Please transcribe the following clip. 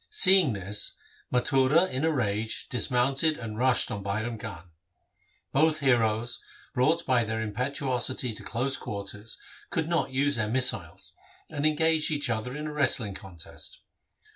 Seeing this, Mathura in a rage dis mounted and rushed on Bairam Khan. Both heroes, brought by their impetuosity to close quarters, could not use their missiles, and engaged each other in a wrestling contest.